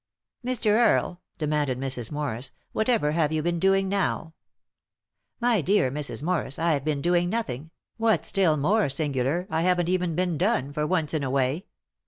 "Mr. Earle," demanded Mrs. Morris, "whatever have you been doing now ?"" My dear Mrs. Morris, I've been doing nothing ; what's still more singular, I haven't even been done, for once in a way.